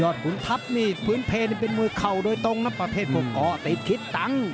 ยอดฝุ่นทัพนี่พื้นเพลย์เป็นมวยเข่าโดยตรงนะประเภทประกอบติดคิดตั้ง